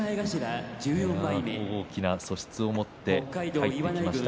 大きな素質を持って入ってきました。